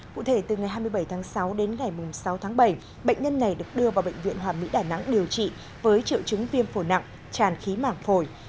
cụ thể từ ngày hai mươi bảy tháng sáu đến ngày sáu tháng bảy bệnh nhân này được đưa vào bệnh viện hòa mỹ đà nẵng điều trị với triệu chứng viêm phổ nặng tràn khí mảng phổi